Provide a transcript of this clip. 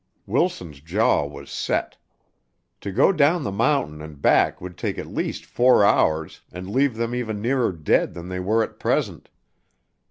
Wilson's jaw was set. To go down the mountain and back would take at least four hours and leave them even nearer dead than they were at present.